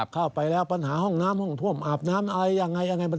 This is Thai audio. เข้าไปแล้วปัญหาห้องน้ำห้องท่วมอาบน้ำอะไรยังไง